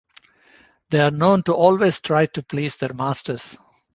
They are known to always try to please their masters.